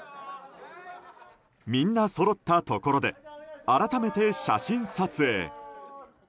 みんなそろったところで改めて写真撮影。